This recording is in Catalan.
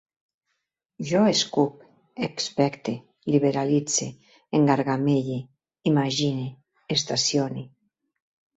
Jo escup, expecte, liberalitze, engargamelle, imagine, estacione